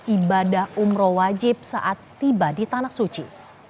ibadah umroh wajib saat tiba di tanah suci